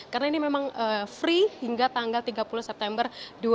karena ini memang free hingga tanggal tiga puluh september dua ribu dua puluh tiga